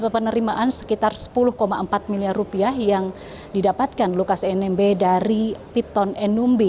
penerimaan sekitar rp sepuluh empat miliar yang didapatkan lukas nmb dari pithon ennumbi